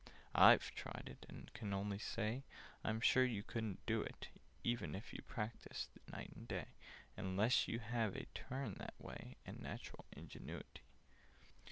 "I've tried it, and can only say I'm sure you couldn't do it, e ven if you practised night and day, Unless you have a turn that way, And natural ingenuity.